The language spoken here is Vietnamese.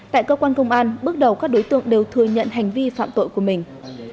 tại cơ quan công an bước đầu các đối tượng đều thừa nhận hành vi phạm tội của mình